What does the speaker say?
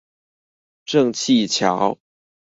正氣橋